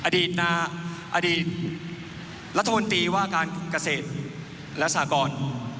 อดีตนาอดีตละทนตีว่าการเกษตรและสากร